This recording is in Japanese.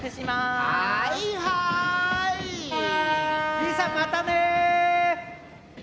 じいさんまたね！